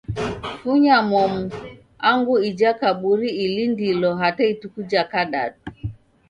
Funya momu angu ija kaburi ilindilo hata ituku ja kadadu.